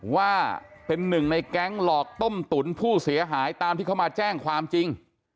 ว่าเป็นหนึ่งในแก๊งหลอกต้มตุ๋นผู้เสียหายตามที่เขามาแจ้งความจริง